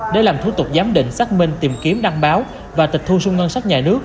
để làm thủ tục giám định xác minh tìm kiếm đăng báo và tịch thu sung ngân sách nhà nước